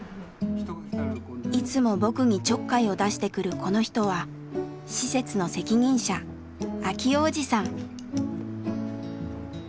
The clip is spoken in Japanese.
いつも僕にちょっかいを出してくるこの人は施設の責任者明男おじさん。